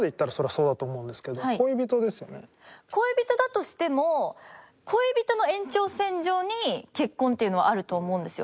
恋人だとしても恋人の延長線上に結婚っていうのはあると思うんですよ